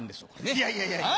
いやいやいや。